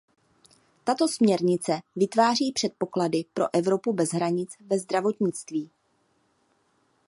Tato směrnice vytváří předpoklady pro Evropu bez hranic ve zdravotnictví.